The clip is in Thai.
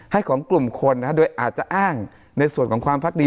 ให้ของกลุ่มคนนะฮะโดยอาจจะอ้างในส่วนของความพรรคดี